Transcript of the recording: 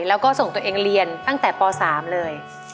แล้วก็ส่งตัวเองเรียนตั้งแต่ป๓เลย